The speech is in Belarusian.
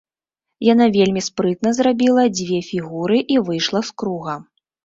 Яна вельмі спрытна зрабіла дзве фігуры і выйшла з круга.